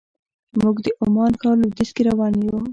موږ د عمان ښار لویدیځ کې روان یو.